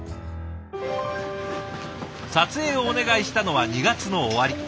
撮影をお願いしたのは２月の終わり。